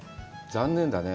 残念だね。